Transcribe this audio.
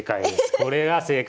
これが正解。